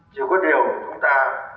chỉ có điều chúng ta